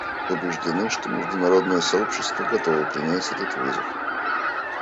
Убеждены, что международное сообщество готово принять этот вызов.